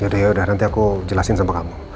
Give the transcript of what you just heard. yaudah nanti aku jelasin sama kamu